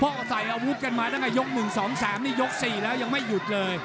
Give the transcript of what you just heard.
เพราะใส่อาวุธกันมาตั้งแต่ยก๑๒๓นี่ยก๔แล้วยังไม่หยุดเลย